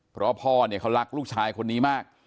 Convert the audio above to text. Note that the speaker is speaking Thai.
เพราะพ่อเนี่ยเขารักลูกชายคนนี้มาก